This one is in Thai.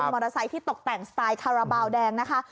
มอเทศที่ตกแต่งสไตล์คาราเบาแดงนะฮะ